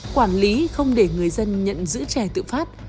quản lý không để người dân nhận giữ trẻ tự phát